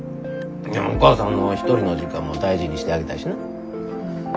おかあさんの一人の時間も大事にしてあげたいしな。